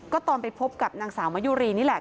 ก็ตอนไปพบกับนางสาวมะยุรีนี่แหละ